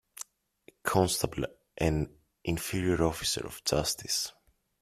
A constable an inferior officer of justice.